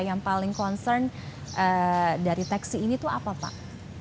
yang paling concern dari teksi ini tuh apa pak